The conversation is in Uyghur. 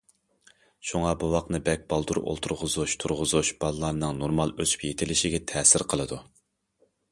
شۇڭا بوۋاقنى بەك بالدۇر ئولتۇرغۇزۇش، تۇرغۇزۇش بالىلارنىڭ نورمال ئۆسۈپ يېتىلىشىگە تەسىر قىلىدۇ.